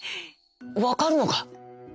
「わかるのか！？」。